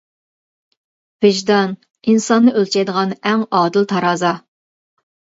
ۋىجدان ئىنساننى ئۆلچەيدىغان ئەڭ ئادىل تارازا.